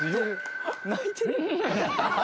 泣いてる？